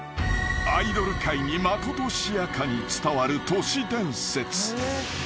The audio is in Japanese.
［アイドル界にまことしやかに伝わる都市伝説］